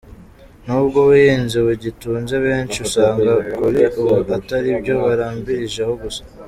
Nubwo ubuhinzi bugitunze benshi, usanga kuri ubu atari byo barambirijeho gusa.